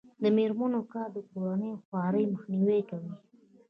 د میرمنو کار د کورنۍ خوارۍ مخنیوی کوي.